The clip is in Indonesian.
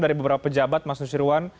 dari beberapa pejabat mas nusirwan